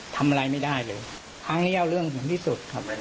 ทำอะไรไม่ได้เลยครั้งนี้เอาเรื่องถึงที่สุดครับ